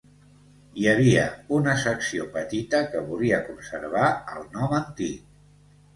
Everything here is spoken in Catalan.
Hi havia una secció petita que volia conservar el nom antic.